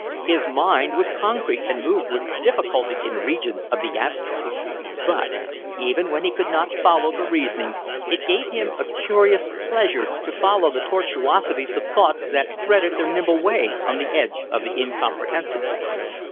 His mind was concrete and moved with difficulty in regions of the abstract; but, even when he could not follow the reasoning, it gave him a curious pleasure to follow the tortuosities of thoughts that threaded their nimble way on the edge of the incomprehensible.